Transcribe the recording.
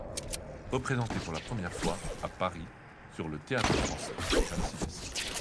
Représentée pour la première fois, à Paris, sur le Théâtre-Français (vingt-six déc.